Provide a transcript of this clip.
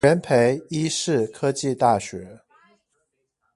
元培醫事科技大學